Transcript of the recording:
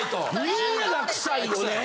みんなが臭いよね